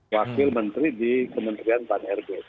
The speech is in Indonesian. wakil menteri di kementerian pan rb